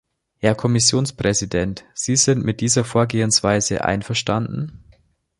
Herr Kommissionspräsident, sind Sie mit dieser Vorgehensweise einverstanden?